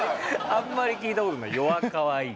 あんまり聞いたことないよゎかゎいい。